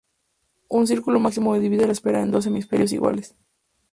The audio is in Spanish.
Un círculo máximo divide a la esfera en dos hemisferios iguales.